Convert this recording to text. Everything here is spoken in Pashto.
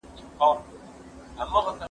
زه اجازه لرم چي واښه راوړم!؟